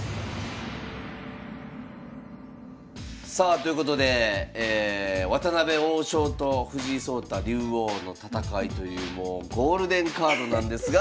さあということで渡辺王将と藤井聡太竜王の戦いというもうゴールデンカードなんですが。